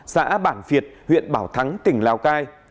xã bản việt huyện bảo thắng tỉnh lào cai